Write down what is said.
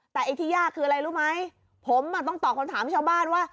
แต่ไอ้ที่ยากคืออะไรรู้ไหมผมต้องตอบคำถามชาวบ้านว่า